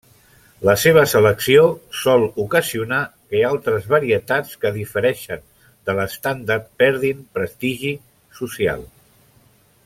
La seva selecció sol ocasionar que altres varietats que difereixen de l'estàndard perdin prestigi social.